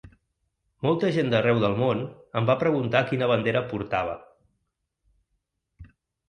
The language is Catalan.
Molta gent d’arreu del món em va preguntar quina bandera portava.